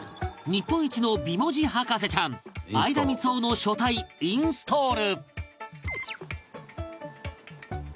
日本一の美文字博士ちゃん相田みつをの書体インストール